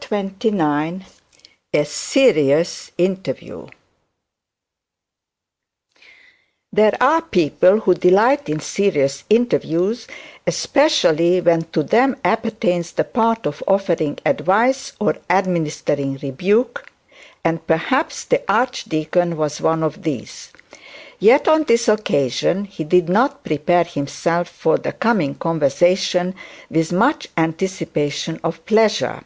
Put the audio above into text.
CHAPTER XXIX A SERIOUS INTERVIEW There are people who delight in serious interviews, especially when to them appertain the part of offering advice or administering rebuke, and perhaps the archdeacon was one of these. Yet on this occasion he did not prepare himself for the coming conversation with much anticipation of pleasure.